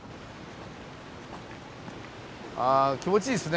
あ気持ちいいっすね。